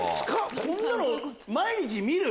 こんなの毎日見る？